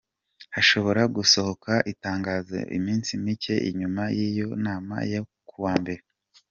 Hashobora gusohoka itangazo iminsi mike inyuma y'iyo nama yo kuwa mbere.